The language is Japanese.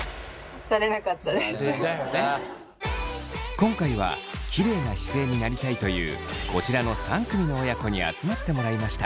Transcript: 今回はきれいな姿勢になりたいというこちらの３組の親子に集まってもらいました。